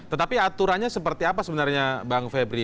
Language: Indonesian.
tetapi aturannya seperti apa sebenarnya bang febri